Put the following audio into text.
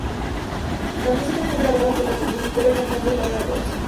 La música fue grabada por la compositora y cantante Laura Ros.